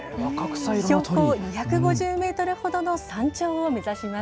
標高２５０メートルほどの山頂を目指します。